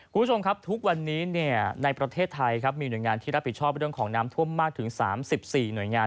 คุณผู้ชมครับทุกวันนี้ในประเทศไทยครับมีหน่วยงานที่รับผิดชอบเรื่องของน้ำท่วมมากถึง๓๔หน่วยงาน